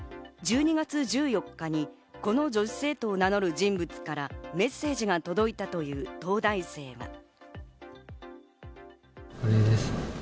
１２月１４日にこの女子生徒を名乗る人物からメッセージが届いたという東大生は。